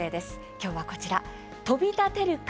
きょうは、こちら「飛び立てるか？